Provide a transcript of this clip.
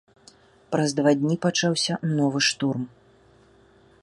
Праз два дні пачаўся новы штурм.